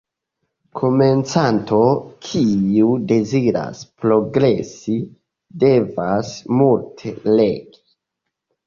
Komencanto, kiu deziras progresi, devas multe legi.